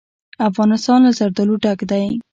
افغانستان له زردالو ډک دی.